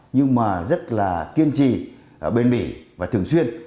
nhưng mà rất là kiên trì bền bỉ và thường xuyên